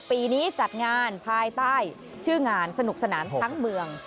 ปีนี้จัดงานภายใต้ชื่องานสนุกสนานทั้งเมือง